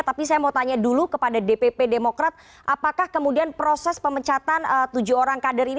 tapi saya mau tanya dulu kepada dpp demokrat apakah kemudian proses pemecatan tujuh orang kader ini